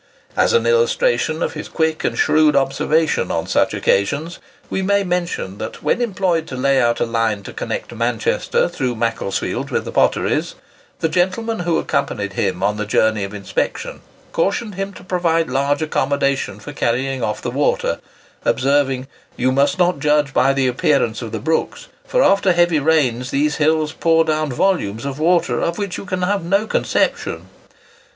As an illustration of his quick and shrewd observation on such occasions, we may mention that when employed to lay out a line to connect Manchester, through Macclesfield, with the Potteries, the gentleman who accompanied him on the journey of inspection cautioned him to provide large accommodation for carrying off the water, observing—"You must not judge by the appearance of the brooks; for after heavy rains these hills pour down volumes of water, of which you can have no conception."